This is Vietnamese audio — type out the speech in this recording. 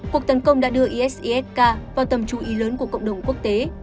cuộc tấn công đã đưa isisk vào tầm chú ý lớn của cộng đồng quốc tế